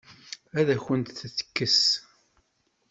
Ad akent-tt-tekkes?